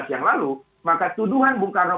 yang lalu maka tuduhan bung karno